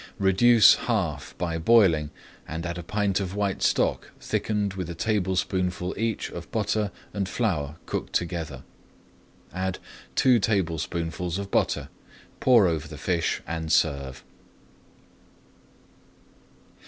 Reduce half by boiling and add a pint of white stock thickened with a tablespoonful each of butter and flour cooked together. Add two tablespoonfuls of butter, pour over the fish, and serve.